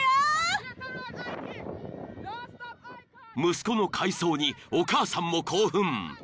［息子の快走にお母さんも興奮］